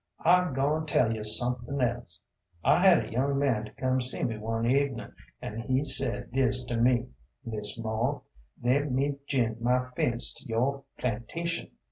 I goin' tel' yo' som'thin' else. I had a young man to come to see me one evenin' an' he sed dis to me, "Miss Moore" "Let me jin my fence to your plantation."